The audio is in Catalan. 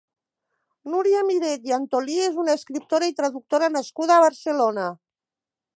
Núria Miret i Antolí és una escriptora i traductora nascuda a Barcelona.